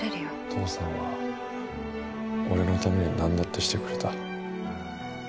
父さんは俺のためになんだってしてくれた。